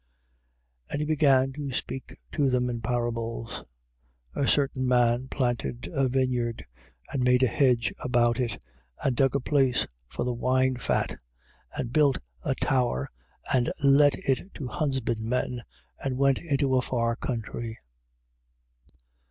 12:1. And he began to speak to them in parables: A certain man planted a vineyard and made a hedge about it and dug a place for the winefat and built a tower and let it to husbandmen: and went into a far country.